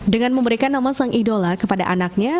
dengan memberikan nama sang idola kepada anaknya